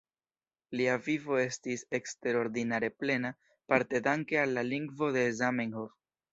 Lia vivo estis eksterordinare plena, parte danke al la lingvo de Zamenhof.